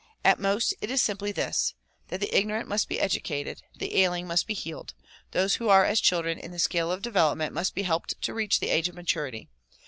At most it is simply this ; that the ignorant must be educated, the ailing must be healed, those who are as children DISCOURSES DELIVERED IN NEW YORK 117 in the scale of development must be helped to reach the age of maturity.